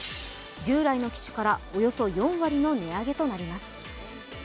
従来の機種からおよそ４割の値上げとなります。